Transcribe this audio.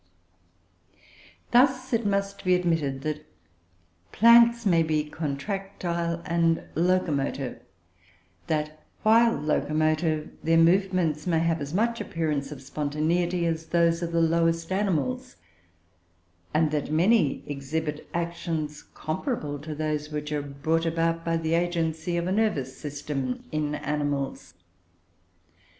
Thus it must be admitted that plants may be contractile and locomotive; that, while locomotive, their movements may have as much appearance of spontaneity as those of the lowest animals; and that many exhibit actions, comparable to those which are brought about by the agency of a nervous system in animals.